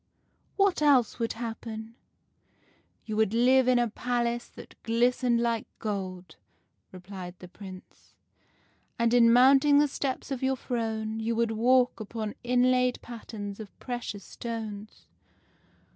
* What else would happen ?' "'You would live in a palace that glistened like gold,' replied the Prince, ' and in mounting the steps of your throne you would walk upon inlaid patterns of precious stones.